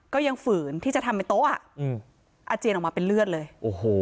ฝืนที่จะทำเป็นโต๊ะอาเจียนออกมาเป็นเลือดเลยโอ้โห